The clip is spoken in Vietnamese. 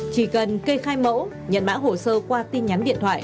chỉ cần kê khai mẫu nhận mã hồ sơ qua tin nhắn điện thoại